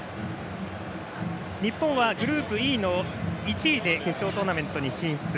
日本はグループＥの１位で決勝トーナメントに進出。